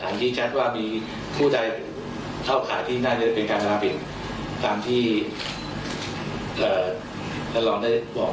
นี่ยังมีแค่คนเดียว